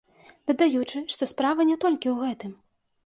Дадаючы, што справа не толькі ў гэтым.